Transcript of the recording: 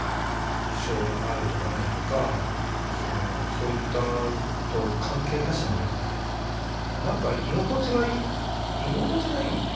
障害があるとかないとかそういったことを関係なしになんか居心地がいい居心地がいいというんですかね。